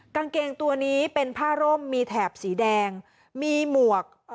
กางเกงตัวนี้เป็นผ้าร่มมีแถบสีแดงมีหมวก